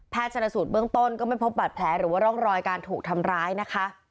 ชนสูตรเบื้องต้นก็ไม่พบบาดแผลหรือว่าร่องรอยการถูกทำร้ายนะคะ